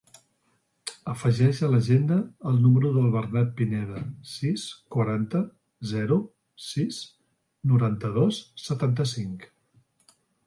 Afegeix a l'agenda el número del Bernat Pineda: sis, quaranta, zero, sis, noranta-dos, setanta-cinc.